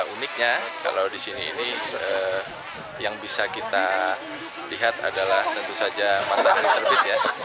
uniknya kalau di sini ini yang bisa kita lihat adalah tentu saja matahari terbit ya